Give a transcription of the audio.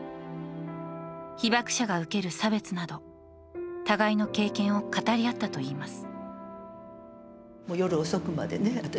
被ばく者が受ける差別など互いの経験を語り合ったといいます。